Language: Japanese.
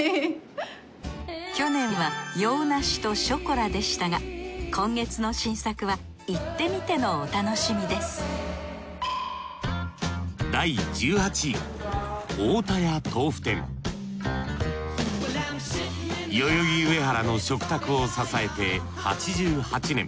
去年は洋ナシとショコラでしたが今月の新作は行ってみてのお楽しみです代々木上原の食卓を支えて８８年。